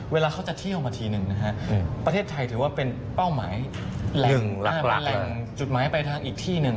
เวลาเขาจะเที่ยวมาทีหนึ่งนะฮะประเทศไทยถือว่าเป็นเป้าหมายหนึ่งหลักแหล่งจุดหมายไปทางอีกที่หนึ่ง